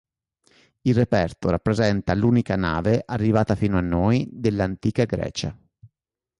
Il reperto rappresenta l'unica nave arrivata fino a noi dell'antica Grecia.